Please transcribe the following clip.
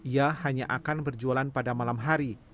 ia hanya akan berjualan pada malam hari